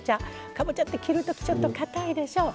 かぼちゃって切るときちょっとかたいでしょう？